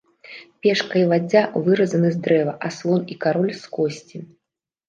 Пешка і ладдзя выразаны з дрэва, а слон і кароль з косці.